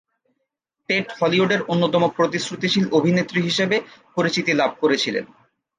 TET হলিউডের অন্যতম প্রতিশ্রুতিশীল অভিনেত্রী হিসেবে পরিচিতি লাভ করেছিলেন।